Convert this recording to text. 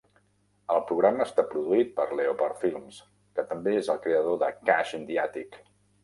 El programa està produït per Leopard Films, que també és el creador de "Cash in the Attic".